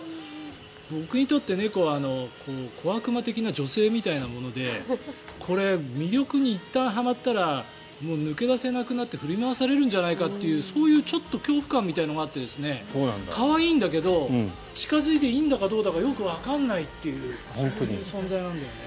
僕にとって猫は小悪魔的な女性みたいなものでこれ、右奥にいったんはまったらもう抜け出せなくなって振り回されるんじゃないかというそういう、ちょっと恐怖感みたいなのがあって可愛いんだけど近付いていいんだかどうだかよくわからないというそういう存在なんだよね。